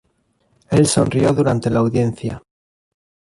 Él sonrió durante la audiencia.